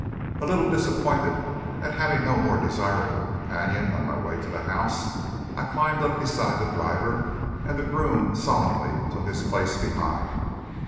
A little disappointed at having no more desirable companion on my way to the house, I climbed up beside the driver, and the groom solemnly took his place behind.